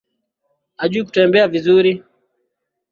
Hajui kutembea vizuri